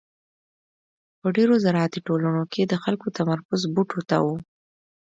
په ډېرو زراعتي ټولنو کې د خلکو تمرکز بوټو ته و.